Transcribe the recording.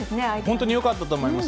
本当によかったと思います。